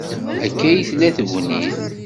Akka ay tella tegnit.